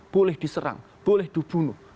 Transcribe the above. boleh diserang boleh dibunuh